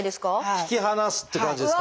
引き離すって感じですか。